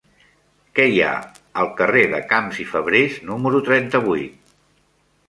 Què hi ha al carrer de Camps i Fabrés número trenta-vuit?